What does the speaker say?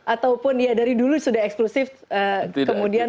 ataupun ya dari dulu sudah eksklusif kemudian